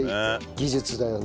技術だよな。